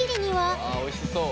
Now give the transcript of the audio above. あおいしそう！